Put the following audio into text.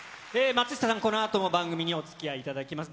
松下さん、このあとも番組におつきあいいただきます。